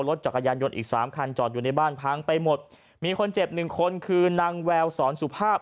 รถจักรยานยนต์อีกสามคันจอดอยู่ในบ้านพังไปหมดมีคนเจ็บหนึ่งคนคือนางแววสอนสุภาพ